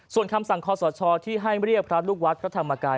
ส่วนคำสั่งคอสชที่ให้เรียกพระลูกวัดพระธรรมกาย